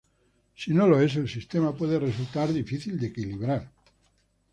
Si no lo es, el sistema puede resultar difícil de equilibrar.